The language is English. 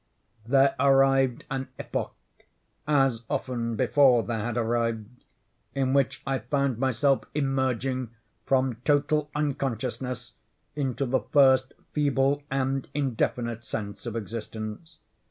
There arrived an epoch—as often before there had arrived—in which I found myself emerging from total unconsciousness into the first feeble and indefinite sense of existence.